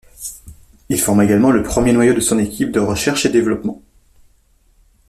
Il forma également le premier noyau de son équipe de recherche et développement.